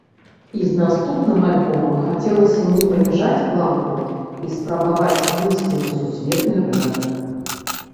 І з наступным альбомам хацелася не паніжаць планку і спрабаваць выйсці на сусветны рынак.